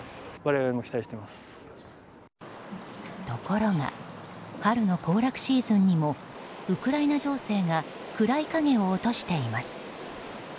ところが春の行楽シーズンにもウクライナ情勢が暗い影を落としています。